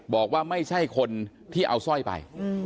บอกว่าไม่ใช่คนที่เอาสร้อยไป